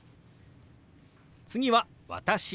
次は「私」。